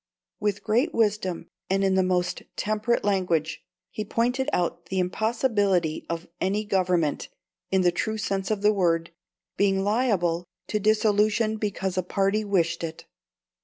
With great wisdom, and in the most temperate language, he pointed out the impossibility of any government, in the true sense of the word, being liable to dissolution because a party wished it.